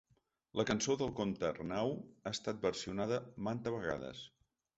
La cançó del comte Arnau ha estat versionada manta vegades.